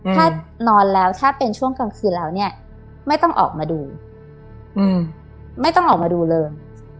ถ้านอนแล้วถ้าเป็นช่วงกลางคืนแล้วเนี่ยไม่ต้องออกมาดูไม่ต้องออกมาดูเลย